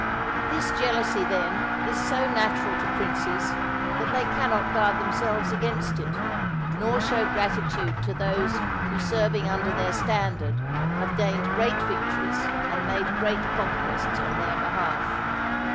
This jealousy, then, is so natural to princes, that they cannot guard themselves against it, nor show gratitude to those who serving under their standard have gained great victories and made great conquests on their behalf.